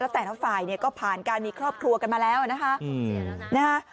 แต่ละฝ่ายเนี่ยก็ผ่านการมีครอบครัวกันมาแล้วนะคะ